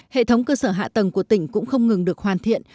hệ thống cơ sở hạ tầng của tỉnh cũng không ngừng được hoàn thiện